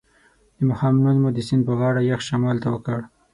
د ماښام لمونځ مو د سیند پر غاړه یخ شمال ته وکړ.